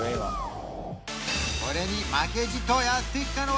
これに負けじとやって来たのは